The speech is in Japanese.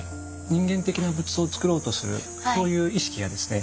人間的な仏像を造ろうとするそういう意識がですね